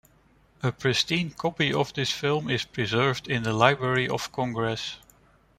A pristine copy of this film is preserved in the Library of Congress.